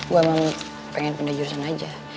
gue emang pengen jurusan aja